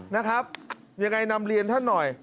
นะครับยังไงนำเรียนท่านหน่อย